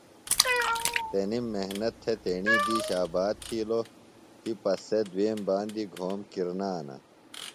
تنِم محنت تھےۡ تیݨی دِیش آباد تِھیلوۡ۔ تِپہ سےۡ دُئیم باندیۡ گھوم کِرنانہ